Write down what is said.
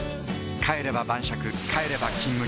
帰れば晩酌帰れば「金麦」